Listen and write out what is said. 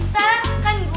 jual gitu dong dulu